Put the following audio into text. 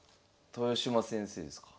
豊島先生ですか？